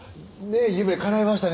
夢かないましたね